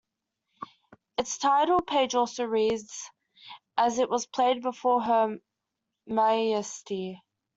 Its title page also reads: As it was played before her Maiestie.